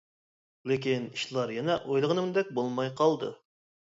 لېكىن ئىشلار يەنە ئويلىغىنىمدەك بولماي قالدى.